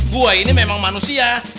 gua ini memang manusia